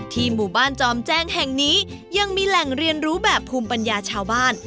หมู่บ้านจอมแจ้งแห่งนี้ยังมีแหล่งเรียนรู้แบบภูมิปัญญาชาวบ้าน